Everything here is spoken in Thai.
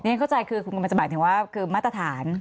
เนี่ยเข้าใจคือมันจะหมายถึงว่าคือมาตรฐาน